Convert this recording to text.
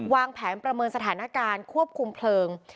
วางแผนประเมินสถานการณ์ควบคุมเพลิง